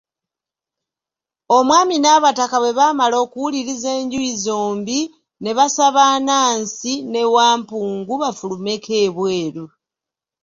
Omwami n'abataka bwe baamala okuwuliriza enjuyi zombi, ne basaba Anansi ne Wampungu bafulumeko ebweru.